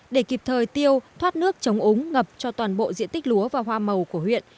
để kịp thời tiêu thoát nước chống ống ngập cho toàn bộ diện tích lúa và hoa màu của huyện